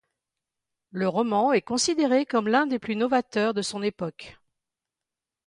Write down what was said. Le roman est considéré comme l'un des plus novateurs de son époque.